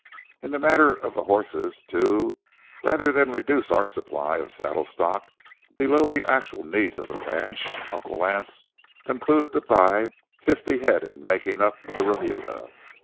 In the matter of the horses, too, rather than reduce our supply of saddle stock below the actual needs of the ranch, Uncle Lance concluded to buy fifty head in making up the remuda.